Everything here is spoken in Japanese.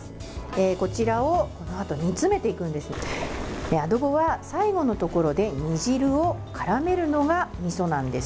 こちらを煮詰めていくんですがアドボは最後のところで煮汁を絡めるのが、みそなんです。